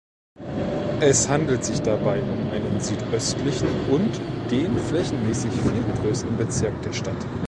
Es handelt sich dabei um einen südöstlichen und den flächenmäßig viertgrößten Bezirk der Stadt.